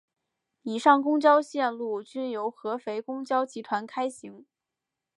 以上公交线路均由合肥公交集团开行。